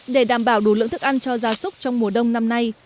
để đảm bảo đủ lượng thức ăn cho gia súc trong mùa đông năm nay